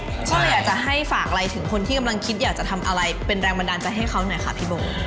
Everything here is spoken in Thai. ก็เลยอยากจะให้ฝากอะไรถึงคนที่กำลังคิดอยากจะทำอะไรเป็นแรงบันดาลใจให้เขาหน่อยค่ะพี่โบ